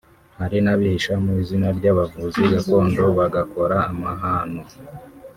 hari n’abihisha mu izina ry’abavuzi gakondo bagakora amahano